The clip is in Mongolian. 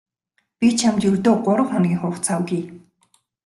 Би чамд ердөө гурав хоногийн хугацаа өгье.